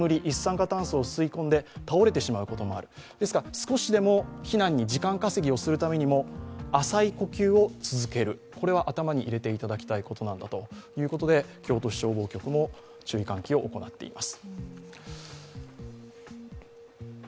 少しでも避難に、時間稼ぎをするためにも浅い呼吸を続けることを頭に入れていただきたいことなんだということで京都市消防局も注意喚起を行っています。